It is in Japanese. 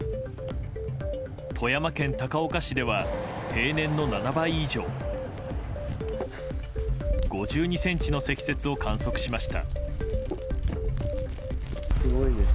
富山県高岡市では平年の７倍以上５２ｃｍの積雪を観測しました。